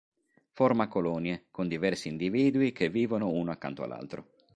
Forma colonie, con diversi individui che vivono uno accanto all'altro.